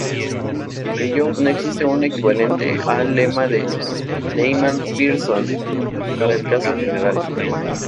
Por ello, no existe un equivalente al Lema de Neyman-Pearson para el caso general.